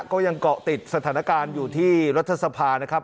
ก็ยังเกาะติดสถานการณ์อยู่ที่รัฐสภานะครับ